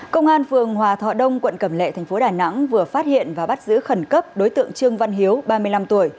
công an phường hòa thọ đông quận cầm lệ tp đà nẵng vừa phát hiện và bắt giữ khẩn cấp đối tượng trương văn hiếu ba mươi năm tuổi